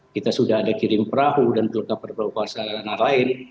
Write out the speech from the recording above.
kita sudah ada kirim perahu dan peluka perahu prasarana lain